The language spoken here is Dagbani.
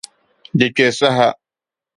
Di kpe saha.